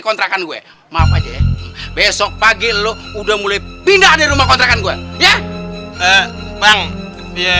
kontrakan gue maaf aja besok pagi lo udah mulai pindah dari rumah kontrakan gue ya bang ya